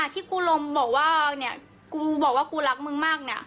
ที่กูลมบอกว่าเนี่ยกูบอกว่ากูรักมึงมากเนี่ย